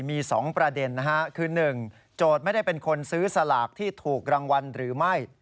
มี๒ประเด็นนะฮะคือ๑โจทย์ไม่ได้เป็นคนซื้อสลากที่ถูกรางวัลหรือไม่